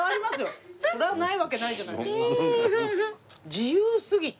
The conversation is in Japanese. そりゃあないわけないじゃないですか。